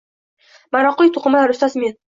Maroqli to’qimalar ustasi – men.